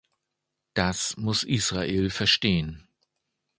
Das muss Israel verstehen.